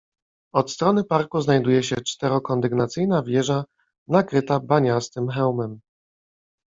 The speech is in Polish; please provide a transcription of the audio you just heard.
Od strony parku znajduje się czterokondygnacyjna wieża nakryta baniastym hełmem.